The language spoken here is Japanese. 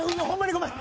ごめん。